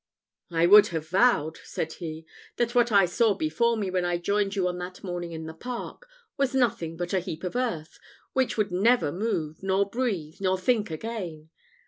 "I would have vowed," said he, "that what I saw before me, when I joined you on that morning in the park, was nothing but a heap of earth, which would never move, nor breathe, nor think again.